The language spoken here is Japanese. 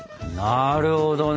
なるほどね！